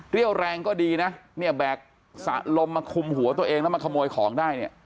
แรงก็ดีนะเนี่ยแบกสระลมมาคุมหัวตัวเองแล้วมาขโมยของได้เนี่ย